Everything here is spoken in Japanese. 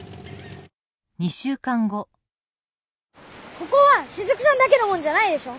ここはしずくさんだけのもんじゃないでしょ。